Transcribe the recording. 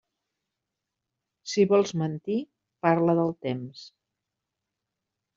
Si vols mentir, parla del temps.